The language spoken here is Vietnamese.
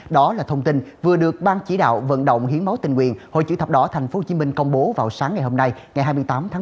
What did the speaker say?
đó là thông tin vừa được ban chỉ đạo vận động hiến máu tình quyền hội chữ thập đỏ tp hcm công bố vào sáng ngày hôm nay ngày hai mươi tám tháng một mươi hai